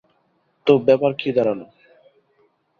তো, ব্যাপার কি দাঁড়ালো?